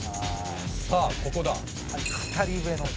さあここだ。